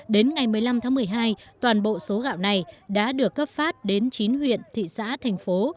đến ngày một mươi năm tháng một mươi hai toàn bộ số gạo này đã được cấp phát đến chín huyện thị xã thành phố